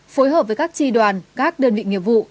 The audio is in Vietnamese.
phối hợp với các tri đoàn các đơn vị nghiệp vụ